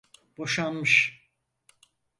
Boşanmış.